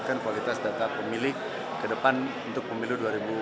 kualitas data pemilih ke depan untuk pemilu dua ribu sembilan belas